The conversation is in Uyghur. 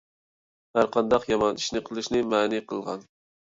ھەر قانداق يامان ئىشنى قىلىشنى مەنئى قىلغان.